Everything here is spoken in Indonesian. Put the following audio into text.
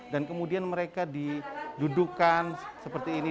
dan kemudian mereka dijudukan seperti ini